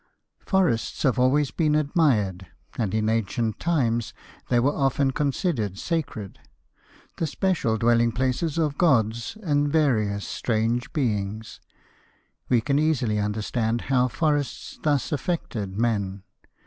_ Forests have always been admired, and in ancient times they were often considered sacred, the special dwelling places of gods and various strange beings. We can easily understand how forests thus affected men.